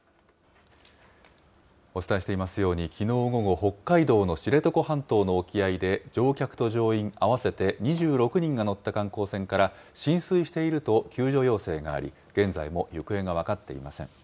お伝えしていますように、きのう午後、北海道の知床半島の沖合で乗客と乗員合わせて２６人が乗った観光船から浸水していると救助要請があり、現在も行方が分かっていません。